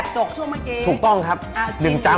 เพราะฉะนั้นถ้าใครอยากทานเปรี้ยวเหมือนโป้แตก